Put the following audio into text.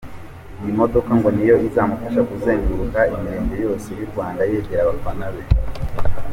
Iyi modoka ngo niyo izamufasha kuzenguruka imirenge yose y'u Rwanda, yegera abafana be.